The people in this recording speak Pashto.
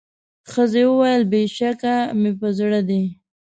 ښځي وویل بېشکه مي په زړه دي